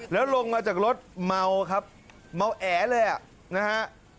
แล้วลงมาจากรถเมาครับเมาแอเลยอ่ะนะฮะ